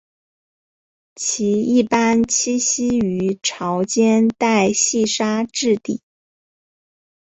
其一般栖息于潮间带细砂质底。